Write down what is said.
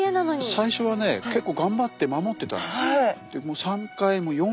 最初はね結構頑張って守ってたんです。